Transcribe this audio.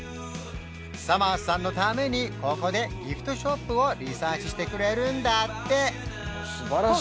さまぁずさんのためにここでギフトショップをリサーチしてくれるんだって！